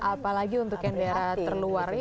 apalagi untuk yang daerah terluar ini